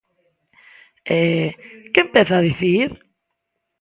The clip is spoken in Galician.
E ¿que empeza a dicir?